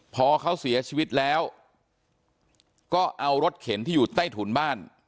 พอเขาเสียชีวิตแล้วก็เอารถเข็นที่อยู่ใต้ถุนบ้าน